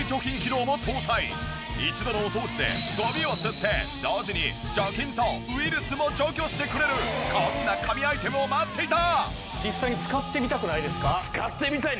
一度のお掃除でゴミを吸って同時に除菌とウイルスも除去してくれるこんな神アイテムを待っていた！